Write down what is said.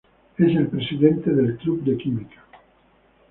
Es el presidente de club de química.